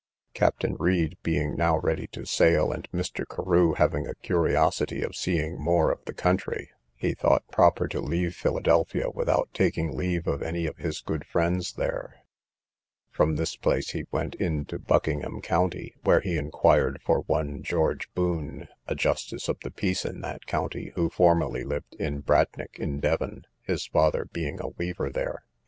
Captain Read being now ready to sail, and Mr. Carew having a curiosity of seeing more of the country, he thought proper to leave Philadelphia without taking leave of any of his good friends there. From this place he went into Buckingham county, where he inquired for one George Boon, a justice of the peace in that county, who formerly lived at Bradnich, in Devon, his father being a weaver there.